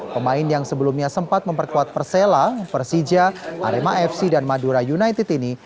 pemain yang sebelumnya sempat memperkuat persela persija arema fc dan madura united ini